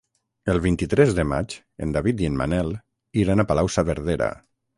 El vint-i-tres de maig en David i en Manel iran a Palau-saverdera.